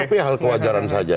tapi hal kewajaran saja